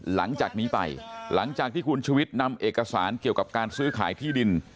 หลังจากนี้ไปหลังจากที่คุณชุวิตนำเอกสารเกี่ยวกับการซื้อขายที่ดิน